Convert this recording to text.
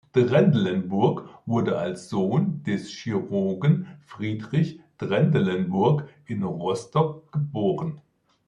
Trendelenburg wurde als Sohn des Chirurgen Friedrich Trendelenburg in Rostock geboren.